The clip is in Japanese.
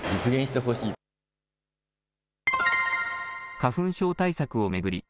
花粉症対策を巡り